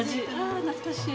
あ懐かしい。